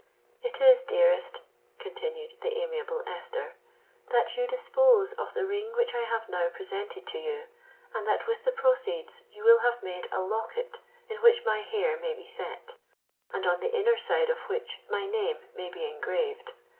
—"It is, dearest," continued the amiable Esther, "that you dispose of the ring which I have now presented to you, and that with the proceeds you will have made a locket in which my hair may be set, and on the inner side of which my name may be engraved.